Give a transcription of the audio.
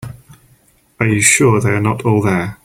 Are you sure they are not all there?